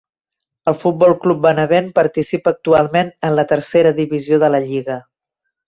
El Futbol Club Benavent participa actualment en la Tercera divisió de la lliga.